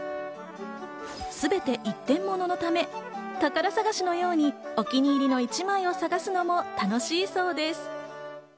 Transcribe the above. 全て１点もののため、宝探しのようにお気に入りの一枚を探すのも楽しそうです。